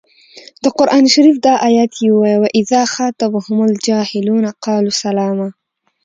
د قران شریف دا ایت یې ووايه و اذا خاطبهم الجاهلون قالو سلاما.